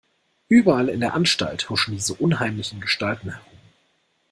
Überall in der Anstalt huschen diese unheimlichen Gestalten herum.